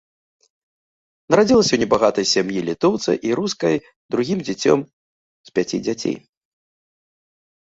Нарадзілася ў небагатай сям'і літоўца і рускай другім дзіцем з пяці дзяцей.